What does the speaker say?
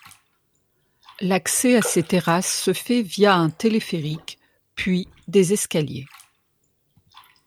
L'accès à ses terrasses se fait via un téléphérique, puis des escaliers.